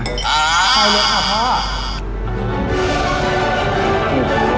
อ่าพ่อ